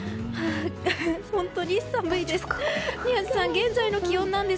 本当に寒いです。